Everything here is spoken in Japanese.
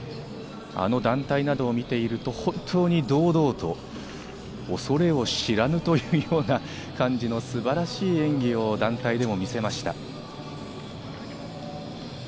あの団体などを見ていると、本当に堂々と恐れを知らぬというような感じの素晴らしい演技を団体でも見せました。